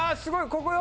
ここよ！